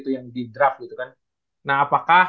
yang di draft gitu kan nah apakah